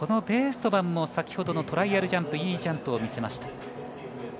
ベーストマンも先ほどのトライアルジャンプいいジャンプを見せました。